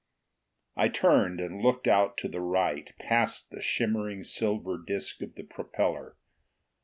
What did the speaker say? I turned and looked out to the right, past the shimmering silver disk of the propeller.